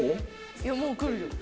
いやもうくるよ。